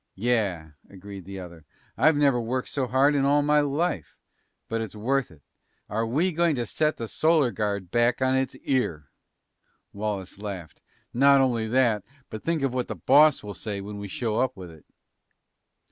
"Yeah," agreed the other. "I never worked so hard in all my life. But it's worth it. Are we going to set the Solar Guard back on its ear!" Wallace laughed. "Not only that, but think of what the boss will say when we show up with it!"